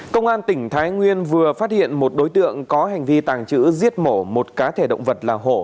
công an tỉnh thái nguyên vừa phát hiện một đối tượng có hành vi tàng trữ giết mổ một cá thể động vật là hộ